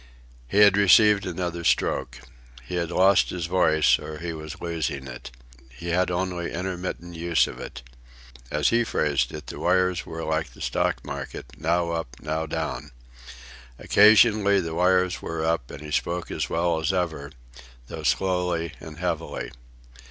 He had received another stroke. He had lost his voice, or he was losing it. He had only intermittent use of it. As he phrased it, the wires were like the stock market, now up, now down. Occasionally the wires were up and he spoke as well as ever, though slowly and heavily.